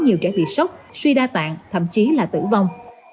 nhưng khi nghe bác sĩ bảo là cái giai đoạn bốn